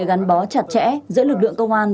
gắn bó chặt chẽ giữa lực lượng công an